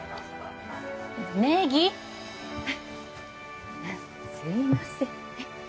ネギすいません